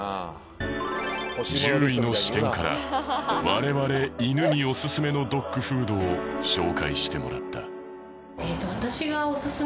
獣医の視点から我々犬におすすめのドッグフードを紹介してもらった。